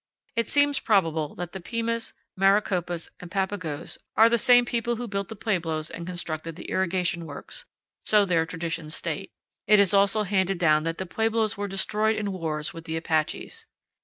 It seems probable that the Pimas, Maricopas, and Papagos are the same people who built the pueblos and constructed the irrigation works; so their traditions state. It is also handed down that the pueblos were destroyed in wars with the Apaches.